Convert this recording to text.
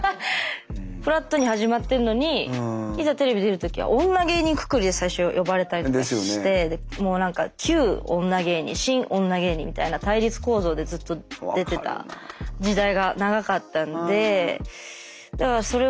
フラットに始まってるのにいざテレビ出る時は女芸人くくりで最初呼ばれたりしてもう何か旧・女芸人新・女芸人みたいな対立構造でずっと出てた時代が長かったんでだからそれは結構嫌で。